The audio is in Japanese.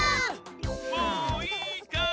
もういいかい？